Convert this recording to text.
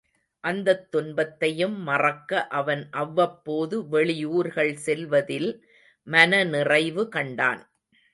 அந்தத் துன்பத்தையும் மறக்க அவன் அவ்வப்போது வெளி ஊர்கள் செல்வதில் மனநிறைவு கண்டான்.